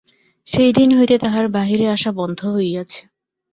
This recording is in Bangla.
সেই দিন হইতে তাহার বাহিরে আসা বন্ধ হইয়াছে।